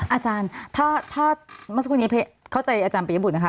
อาจารย์ถ้าเมื่อสักครู่นี้เข้าใจอาจารย์ปริยบุตรนะคะ